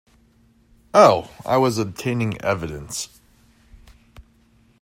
Oh, I was obtaining evidence.